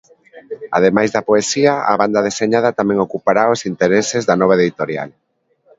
Ademais da poesía, a banda deseñada tamén ocupará os intereses da nova editorial.